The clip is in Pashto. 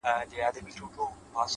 • هغه اوس كډ ه وړي كا بل ته ځي ـ